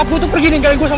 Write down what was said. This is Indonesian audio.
apa dia kecelakaan lain